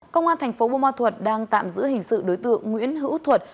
công an thành phố bùa ma thuật đang tạm giữ hình sự đối tượng nguyễn hữu thuật